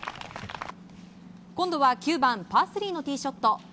今度は９番パー３のティーショット。